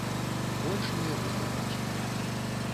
Больш мы яго не бачылі.